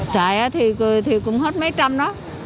trại thì cũng hết mấy trăm đó